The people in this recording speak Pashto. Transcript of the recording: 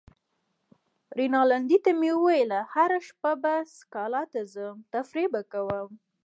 رینالډي ته مې وویل: هره شپه به سکالا ته ځم، تفریح به کوم.